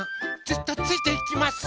ずっとついていきます。